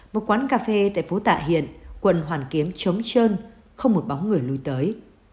một quán cà phê tại phố tạ hiện quần hoàn kiếm chống chơn không một bóng người lùi tới